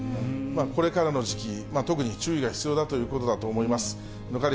これからの時期、特に注意が必要だということだと思います。